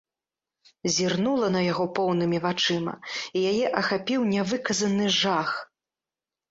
Зірнула на яго поўнымі вачыма, і яе ахапіў нявыказаны жах.